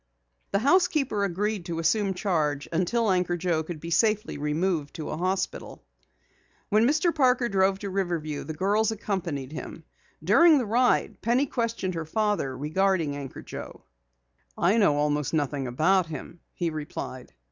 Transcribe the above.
The housekeeper agreed to assume charge until Anchor Joe could be safely removed to a hospital. When Mr. Parker drove to Riverview the girls accompanied him. During the ride Penny questioned her father regarding Anchor Joe. "I know almost nothing about him," he replied.